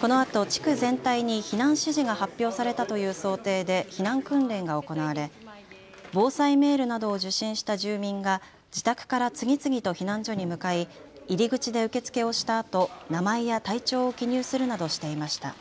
このあと地区全体に避難指示が発表されたという想定で避難訓練が行われ防災メールなどを受信した住民が自宅から次々と避難所に向かい入り口で受け付けをしたあと名前や体調を記入するなどしていました。